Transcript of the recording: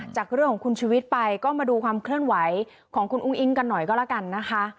จากเรื่องของคุณชุวิตไปก็มาดูความเคลื่อนไหวของคุณอุ้งอิ๊งกันหน่อยก็แล้วกันนะคะ